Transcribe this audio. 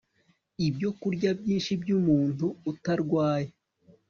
ibyokurya byinshi byumuntu utarwaye